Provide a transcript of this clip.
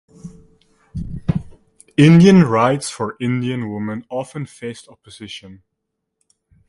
Indian Rights for Indian Women often faced opposition.